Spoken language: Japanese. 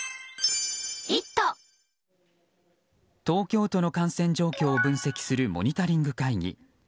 東京都の感染状況を分析するモニタリング会議。